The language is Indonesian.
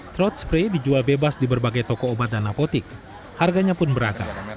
throat spray dijual bebas di berbagai toko obat dan napotik harganya pun beragam